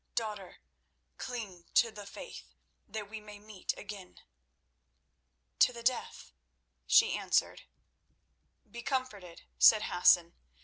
Daughter, cling to the faith—that we may meet again." "To the death," she answered. "Be comforted," said Hassan.